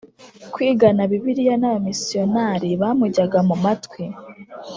kwigana Bibiliya n abamisiyonari bamujyaga mu matwi